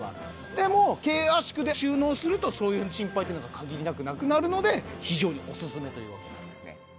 でも軽圧縮で収納するとそういう心配ってのが限りなくなくなるので非常におすすめというわけなんですね